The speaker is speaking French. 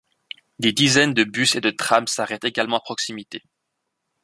Des dizaines de bus et de trams s'arrêtent également à proximité.